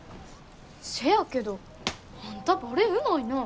せやけどあんたバレエうまいな。